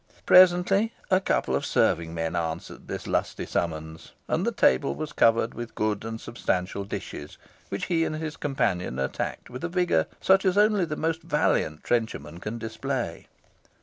Presently a couple of serving men answered this lusty summons, and the table was covered with good and substantial dishes, which he and his companion attacked with a vigour such as only the most valiant trencherman can display.